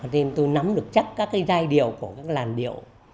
nên tôi nắm được chắc các cái giai điệu của các làn điệu